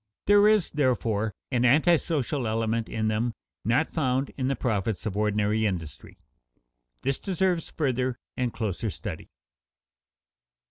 There is, therefore, an antisocial element in them not found in the profits of ordinary industry. This deserves further and closer study.